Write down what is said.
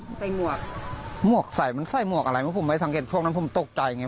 มันใส่หมวกหมวกใส่เหมือนใส่หมวกอะไรแหละผมไม่ที่สังเกตตรงนั้นพี่ตกใจไง